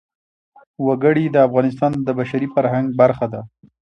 وګړي د افغانستان د بشري فرهنګ برخه ده.